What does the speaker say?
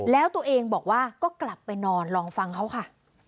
แล้วตัวเองบอกว่าก็กลับไปนอนลองฟังเขาค่ะ